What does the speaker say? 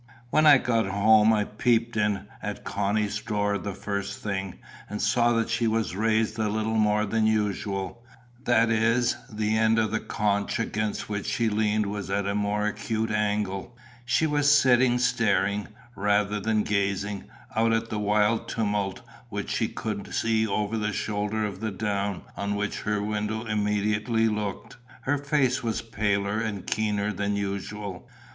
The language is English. When I got home, I peeped in at Connie's door the first thing, and saw that she was raised a little more than usual; that is, the end of the conch against which she leaned was at a more acute angle. She was sitting staring, rather than gazing, out at the wild tumult which she could see over the shoulder of the down on which her window immediately looked. Her face was paler and keener than usual.